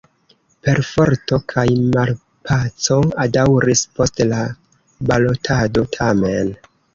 Perforto kaj malpaco daŭris post la balotado tamen.